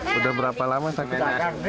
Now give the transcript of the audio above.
sudah berapa lama sakitnya